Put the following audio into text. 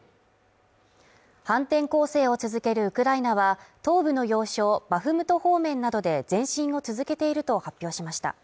反転攻勢を続けるウクライナは東部の要衝バフムト方面などで前進を続けていると発表しました。